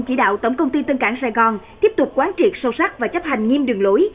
chỉ đạo tổng công ty tân cảng sài gòn tiếp tục quán triệt sâu sắc và chấp hành nghiêm đường lối